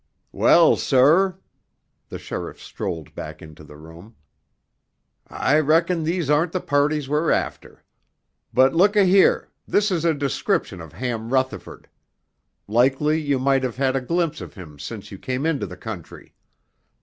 "Well, sir" the sheriff strolled back into the room "I reckon these aren't the parties we're after. But look a here, this is a description of Ham Rutherford. Likely you might have had a glimpse of him since you came into the country.